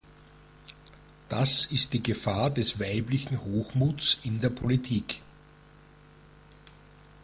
Das ist die Gefahr des weiblichen Hochmuts in der Politik.